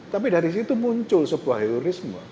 tapi dari situ muncul sebuah heroisme